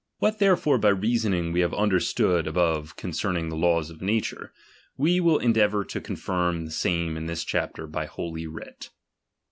What therefore by reasoning we have understood above concerning the law of nature, we will endeavour to confirm the same in this chapter by holy writ.